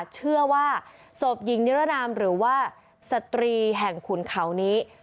เชื่อว่าศพหญิงนิรนามหรือว่าสตรีแห่งขุนเขานี้